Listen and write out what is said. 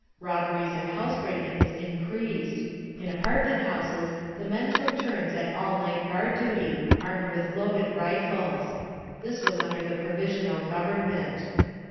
Robberies and housebreakings increased. In apartment houses the men took turns at all night guard duty, armed with loaded rifles. This was under the Provisional Government.